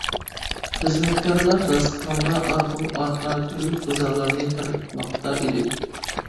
خىزمەتكارلار داستىخانغا ئارقىمۇئارقا تۈرلۈك غىزالارنى تارتماقتا ئىدى.